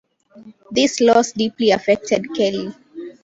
This loss deeply affected Kelly.